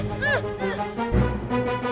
ustaz lu sana bencana